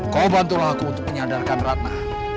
kau bantulah aku untuk menyadarkan ratna